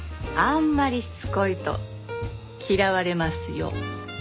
あんまりしつこいと嫌われますよ。